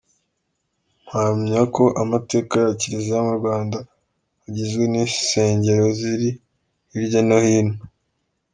Mpamya ko amateka ya Kiliziya mu Rwanda agizwe n’insengero ziri hirya no hino.